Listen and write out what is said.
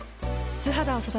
素肌を育てる。